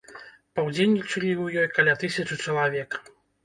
Паўдзельнічалі ў ёй каля тысячы чалавек.